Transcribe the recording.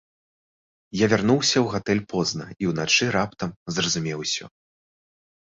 Я вярнуўся ў гатэль позна, і ўначы раптам зразумеў усё.